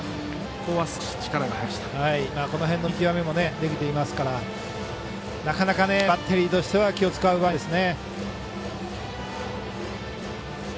この辺の見極めもできていますからなかなかバッテリーとしては気を使う場面ですね。